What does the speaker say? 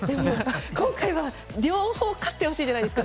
今回は両方勝ってほしいじゃないですけど